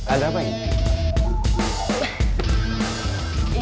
ada apa ini